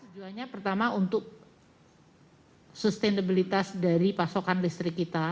tujuannya pertama untuk sustenabilitas dari pasokan listrik kita